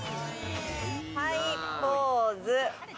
はい、ポーズ。